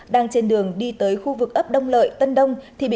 đang trên đường đi tới khu vực ấp đông lợi tân đông